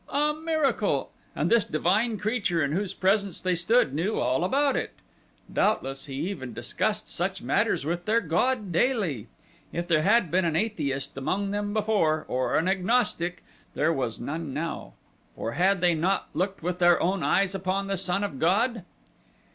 A miracle! and this divine creature in whose presence they stood knew all about it. Doubtless he even discussed such matters with their god daily. If there had been an atheist among them before, or an agnostic, there was none now, for had they not looked with their own eyes upon the son of god?